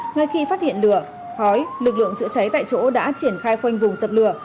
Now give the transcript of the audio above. ngay khi phát hiện lửa khói lực lượng chữa cháy tại chỗ đã triển khai khoanh vùng dập lửa